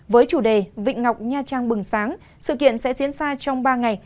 với chủ đề vịnh ngọc nha trang bừng sáng sự kiện sẽ diễn ra trong ba ngày